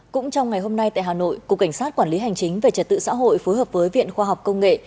cũng trong ngày hôm nay tại hà nội cục cảnh sát quản lý hành chính về trật tự xã hội phối hợp với viện khoa học công nghệ